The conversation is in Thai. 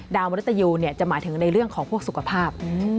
มนุษยูจะหมายถึงในเรื่องของพวกสุขภาพ